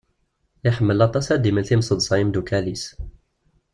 Iḥemmel aṭas ad d-imel timṣeḍsa i yimeddukal-is.